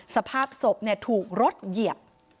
สภาพศพถูกรถเหยียบ